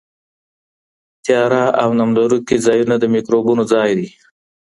تیاره او نم لرونکي ځایونه د میکروبونو ځای دی.